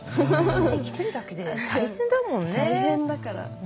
生きてるだけで大変だもんね。